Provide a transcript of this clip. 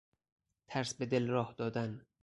ترس به دل راه دادن